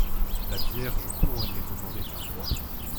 La Vierge couronnée demandait un roi.